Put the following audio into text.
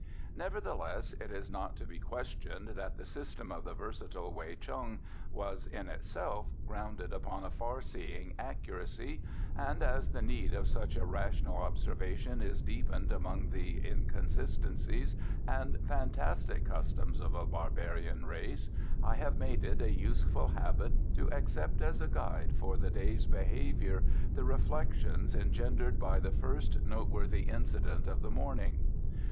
Nevertheless it is not to be questioned that the system of the versatile Wei Chung was, in itself, grounded upon a far seeing accuracy, and as the need of such a rational observation is deepened among the inconsistencies and fantastic customs of a barbarian race, I have made it a useful habit to accept as a guide for the day's behaviour the reflections engendered by the first noteworthy incident of the morning.